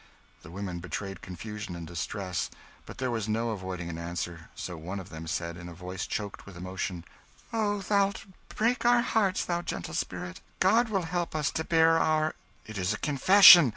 The women betrayed confusion and distress, but there was no avoiding an answer, so one of them said, in a voice choked with emotion "Oh, thou'lt break our hearts, thou gentle spirit! God will help us to bear our " "It is a confession!"